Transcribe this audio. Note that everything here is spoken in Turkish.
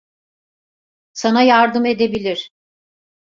Sana yardım edebilir.